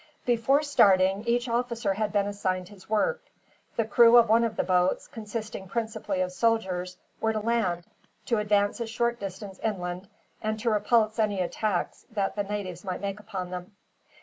Before starting, each officer had been assigned his work. The crew of one of the boats, consisting principally of soldiers, were to land, to advance a short distance inland, and to repulse any attacks that the natives might make upon them.